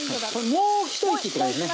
もう一息って感じですね。